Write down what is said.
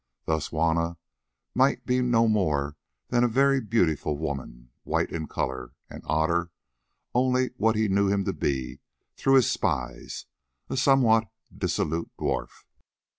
Thus Juanna might be no more than a very beautiful woman white in colour, and Otter only what he knew him to be through his spies, a somewhat dissolute dwarf.